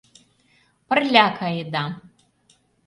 Пырля каеда.